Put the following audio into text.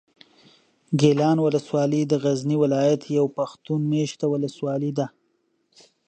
ګیلان اولسوالي د غزني ولایت یوه پښتون مېشته اولسوالي ده.